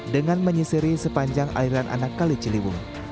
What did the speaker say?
dengan menyisiri sepanjang aliran anakali ciliwung